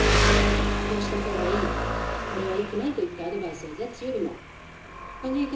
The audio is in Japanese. こうした方がいいこれはよくないといったアドバイスやジャッジよりもほかの言い方はなかったの？